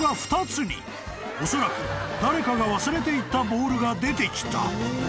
［おそらく誰かが忘れていったボールが出てきた］